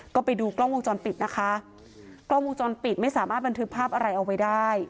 ก็ไปดูกล้องวงจรปิดนะคะกล้องวงจรปิดไม่สามารถบันทึกภาพอะไรเอาไว้ได้